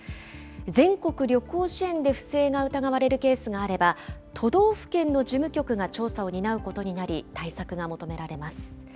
全国旅行支援で不正が疑われるケースがあれば、都道府県の事務局が調査を担うことになり、対策が求められます。